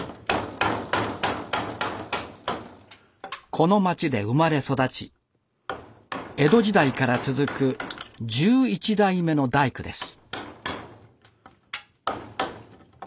この町で生まれ育ち江戸時代から続く１１代目の大工です。